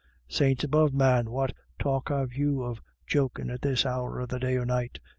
" Saints above, man, what talk have you of jok in' at this hour of the day or night?"